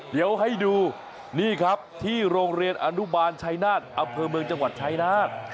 เดี๋ยวให้ดูนี่ครับที่โรงเรียนอนุบาลชัยนาศอำเภอเมืองจังหวัดชายนาฏ